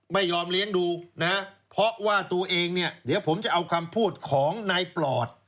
ไม่ยอมเลี้ยงดูนะเพราะว่าตัวเองเนี่ยเดี๋ยวผมจะเอาคำพูดของนายปลอด